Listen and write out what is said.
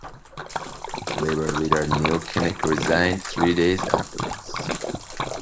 Labour leader Neil Kinnock resigned three days afterwards.